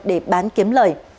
để bán kiếm lời